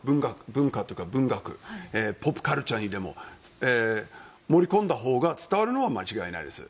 文化というか文学ポップカルチャーにでも盛り込んだほうが伝わるのは間違いないです。